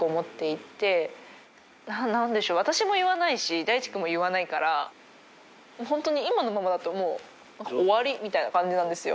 何でしょう私も言わないし大地君も言わないから今のままだと終わりみたいな感じなんですよ。